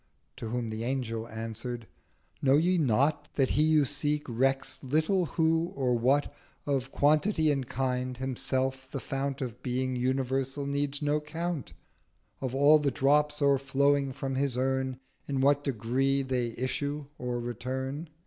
To whom the Angel answer'd—'Know ye not That He you seek recks little who or what 1360 Of Quantity and Kind—himself the Fount Of Being Universal needs no Count Of all the Drops o'erflowing from his Urn, In what Degree they issue or return?'